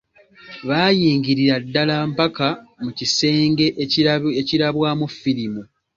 Baayingirira ddala mpaka mu kisenge ekirabwamu firimu..